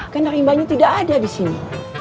kan akibatnya tidak ada di sini